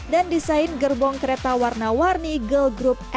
dan desain gerbong kereta warna warni girl group aespa